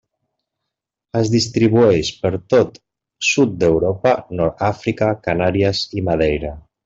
Es distribueix per tot sud d'Europa, nord d'Àfrica, Canàries i Madeira.